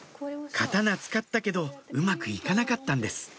刀使ったけどうまく行かなかったんです